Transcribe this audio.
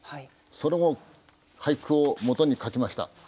その俳句をもとに描きました。